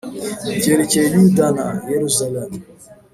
byerekeye Yuda na Yeruzalemu.